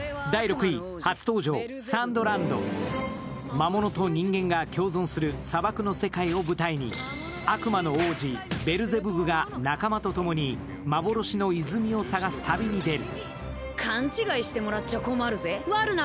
魔物と人間が共存する砂漠の世界を舞台に、悪魔の王子・ベルゼブブが仲間とともに幻の泉を探す旅に出る。